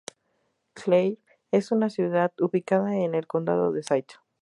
Clair es una ciudad ubicada en el condado de St.